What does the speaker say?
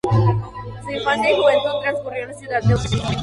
Su infancia y juventud transcurrió en la ciudad de Orense.